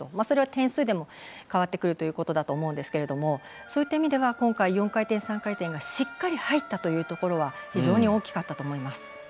それは点数でも変わってくるということだと思いますけどもそういった意味では今回４回転、３回転がしっかり入ったというところは非常に大きかったと思います。